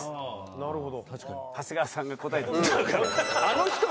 なるほど。